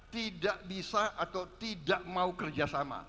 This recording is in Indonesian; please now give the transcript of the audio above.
tidak bisa atau tidak mau kerjasama